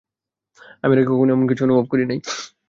আমি এর আগে কখনো এমন কিছু অনুভব করি নাই।